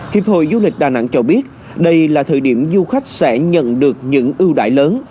hiệp hội du lịch đà nẵng cho biết đây là thời điểm du khách sẽ nhận được những ưu đại lớn